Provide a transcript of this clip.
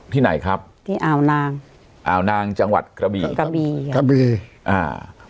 ที่ไหนครับที่อ่าวนางอ่าวนางจังหวัดกระบีกระบีกระบีอ่า